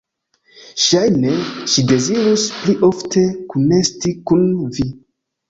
Ŝajne ŝi dezirus pli ofte kunesti kun Vi!